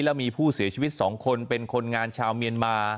แล้วมีผู้เสียชีวิต๒คนเป็นคนงานชาวเมียนมา